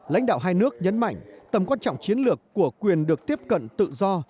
lãnh đạo hai nước nhấn mạnh tầm quan trọng chiến lược của quyền được tiếp cận tự do